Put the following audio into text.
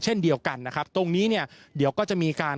เช่นเดียวกันนะครับตรงนี้เนี่ยเดี๋ยวก็จะมีการ